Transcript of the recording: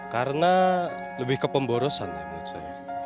karena lebih ke pemborosan ya menurut saya